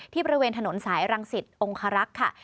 บริเวณถนนสายรังสิตองคารักษ์ค่ะ